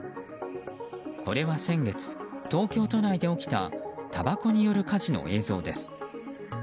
これは先月、東京都内で起きたたばこによる火事の映像です。